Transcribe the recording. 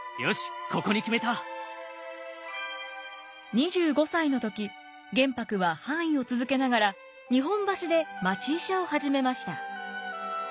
２５歳の時玄白は藩医を続けながら日本橋で町医者を始めました。